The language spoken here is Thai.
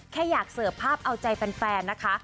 แค่อยากเสิร์ฟภาพเอาใจแฟนนะคะ